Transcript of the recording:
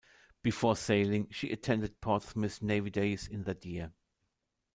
Before sailing she attended Portsmouth Navy Days in that year.